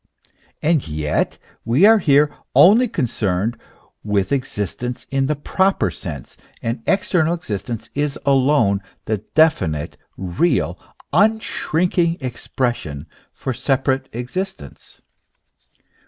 And yet we are here only concerned with existence in the proper sense, and external existence is nlone the definite, real, unshrinking expression for separate existence.